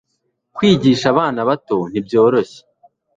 Kwigisha abana bato ntibyoroshye